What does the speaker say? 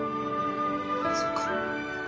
そっか